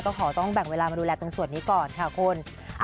ก็ขอต้องแบ่งเวลามาดูแลตรงส่วนนี้ก่อนค่ะคุณ